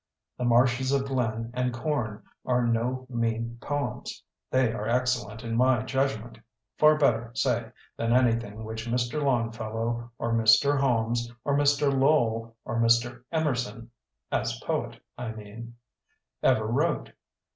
'The Marshes of Glynn' and *Com' are no mean poems. They are excellent, in my judgment; far better, say, than any thing which Mr. Longfellow or Mr. Holmes or Mr. Lowell or Mr. Emerson (as poet, I mean) ever wrote.